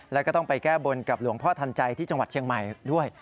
แล้วก็ต้องไปแก้บนกับหลวงพ่อทันใจที่จังหวัดเชียงใหม่ด้วย